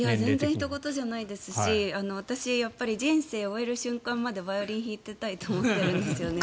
ひと事ではないですし私、人生を終える瞬間までバイオリンを弾いていたいと思うんですよね。